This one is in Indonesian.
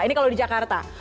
ini kalau di jakarta